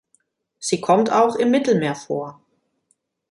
Sie kommt auch im Mittelmeer vor.